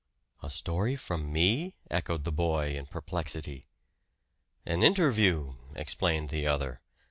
"A story from me?" echoed the boy in perplexity. "An interview," explained the other.